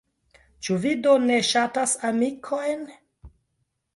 Ĉu vi do ne ŝatas amikojn?